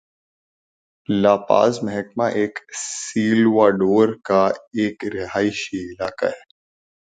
لا Paz محکمہ El Salvador کا ایک رہائشی علاقہ ہے